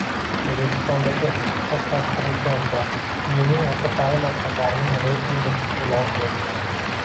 O‘zbekistondagi ixtisoslashtirilgan va umumiy o‘rta ta’lim maktablarining reytingi e’lon qilindi